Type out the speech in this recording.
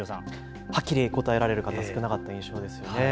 はっきり答えられる方、少なかった印象ですね。